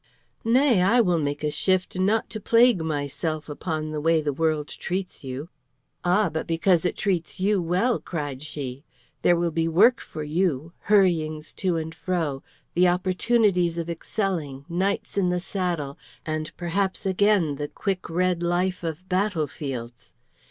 "Nay, I will make a shift not to plague myself upon the way the world treats you." "Ah, but because it treats you well," cried she. "There will be work for you, hurryings to and fro, the opportunities of excelling, nights in the saddle, and perhaps again the quick red life of battlefields.